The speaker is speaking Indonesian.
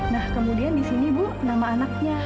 nah kemudian di sini bu nama anaknya